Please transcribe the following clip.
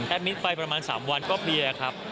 มิตไปประมาณ๓วันก็เพลียครับ